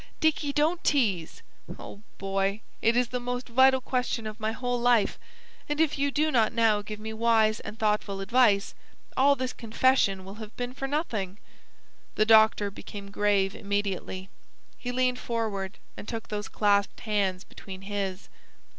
"Dicky, don't tease! Oh, Boy, it is the most vital question of my whole life; and if you do not now give me wise and thoughtful advice, all this difficult confession will have been for nothing." The doctor became grave immediately. He leaned forward and took those clasped hands between his.